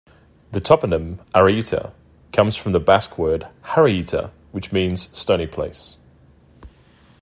The toponym "Arrieta" comes from the Basque word "harrieta", which means "stony place".